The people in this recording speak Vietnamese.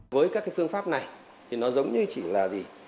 với các cái phương pháp này thì nó giống như chỉ là gì